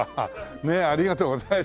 ねえありがとうございました。